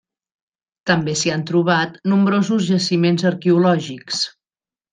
També s'hi han trobat nombrosos jaciments arqueològics.